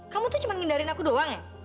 kamu tuh cuma mindarin aku doang ya